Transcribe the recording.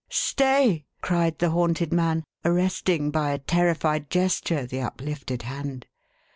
" Stay !'" cried the haunted man, arresting by a terrified gesture the uplifted hand.